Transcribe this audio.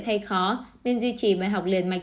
thay khó nên duy trì bài học liền mạch